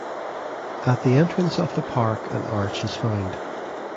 At the entrance of the park an arch is found.